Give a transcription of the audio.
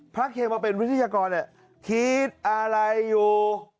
เคมาเป็นวิทยากรคิดอะไรอยู่